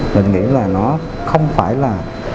mình nghĩ là nó không phải là